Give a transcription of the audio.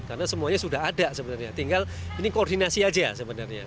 karena semuanya sudah ada sebenarnya tinggal ini koordinasi aja sebenarnya